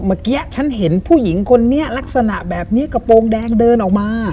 เมื่อกี้ฉันเห็นผู้หญิงคนนี้ลักษณะแบบนี้กระโปรงแดงเดินออกมา